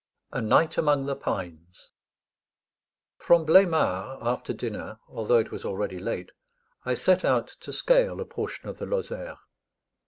A NIGHT AMONG THE PINES From Bleymard after dinner, although it was already late, I set out to scale a portion of the Lozère.